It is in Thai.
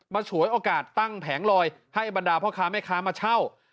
ฉวยโอกาสตั้งแผงลอยให้บรรดาพ่อค้าแม่ค้ามาเช่า